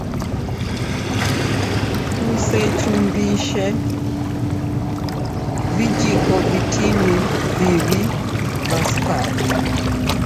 Kusechumbise vijiko vitini viw'i va sukari.